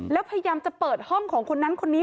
แล้วพยายามจะเปิดห้องของคนนั้นคนนี้